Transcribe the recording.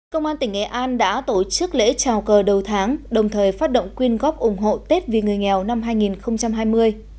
công an tỉnh nghệ an đã tổ chức lễ trào cờ đầu tháng đồng thời phát động quyên góp ủng hộ tết vì người nghèo năm hai nghìn hai mươi